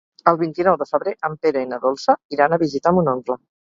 El vint-i-nou de febrer en Pere i na Dolça iran a visitar mon oncle.